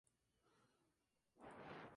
Mucho fútbol hay en los botines de Osorno.